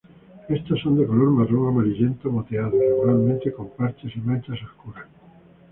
Estos son de color marrón amarillento moteado irregularmente con parches y manchas oscuras.